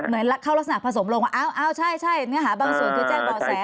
เหมือนเข้ารักษณะผสมโล่งว่าใช่บางส่วนคือแจ้งเบาะแส